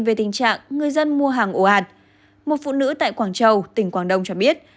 về tình trạng người dân mua hàng ổ ạt một phụ nữ tại quảng châu tỉnh quảng đông cho biết